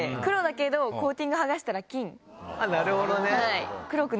なるほどね。